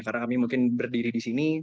karena kami mungkin berdiri di sini